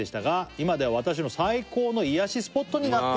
「今では私の最高の癒やしスポットになっています」